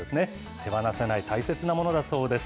手放せない大切なものだそうです。